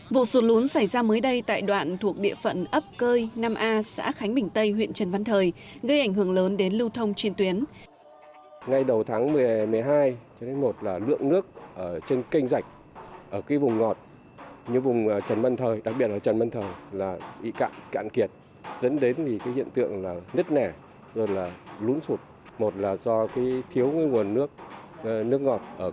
vụ sụt lún xảy ra mới đây tại đoạn thuộc địa phận ấp cơi năm a xã khánh bình tây huyện trần văn thời gây ảnh hưởng lớn đến lưu thông trên tuyến